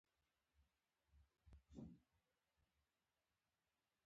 فاز سیم د لومړني مشترک سویچ سره هم ونښلوئ په پښتو وینا.